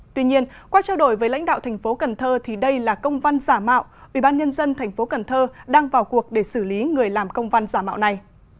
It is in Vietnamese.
tuy nhiên qua trao đổi với lãnh đạo thành phố cần thơ thì đây là công văn giả mạo ubnd tp cần thơ đang vào cuộc để xử lý người làm công văn giả mạo này